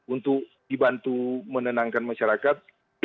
untuk dibantu menenangkan masyarakat